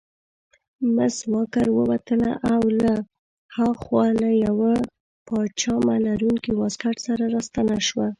مس واکر ووتله او له هاخوا له یوه پاجامه لرونکي واسکټ سره راستنه شوه.